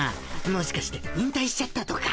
もしかして引たいしちゃったとか。